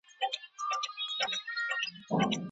که ماشوم خپله تېروتنه درک کړي نو اصلاح کیږي.